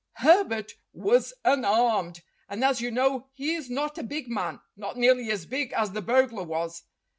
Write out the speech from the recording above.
Herbert was un armed, and, as you know, he is not a big man, not nearly as big as the burglar was.